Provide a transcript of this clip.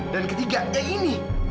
dan ketiga ya ini